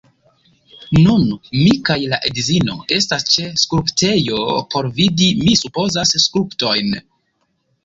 Nun mi kaj la edzino estas ĉe skulptejo, por vidi, mi supozas, skulptojn.